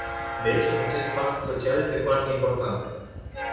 Deci, acest pact social este foarte important.